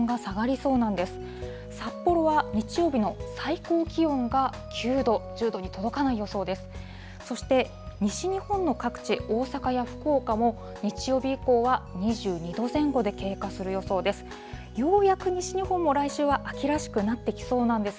そして西日本の各地、大阪や福岡も日曜日以降は、２２度前後で経過する予想です。